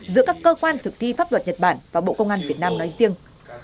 giữa các cơ quan thực thi pháp luật nhật bản và bộ công an việt nam nói riêng